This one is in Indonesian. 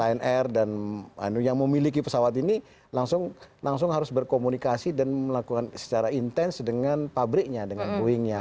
lion air dan yang memiliki pesawat ini langsung harus berkomunikasi dan melakukan secara intens dengan pabriknya dengan boeingnya